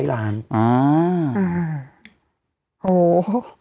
อ้าาาโอ้โฮ